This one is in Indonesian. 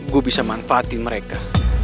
gue bisa manfaatin mereka